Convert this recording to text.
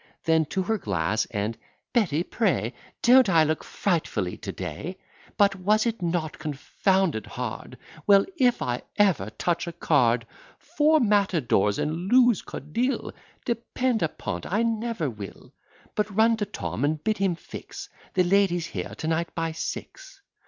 Then to her glass; and, "Betty, pray, Don't I look frightfully to day? But was it not confounded hard? Well, if I ever touch a card! Four matadores, and lose codille! Depend upon't, I never will. But run to Tom, and bid him fix The ladies here to night by six."